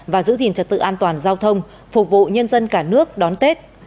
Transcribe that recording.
và giữ gìn trật tự an toàn giao thông phục vụ nhân dân cả nước đón tết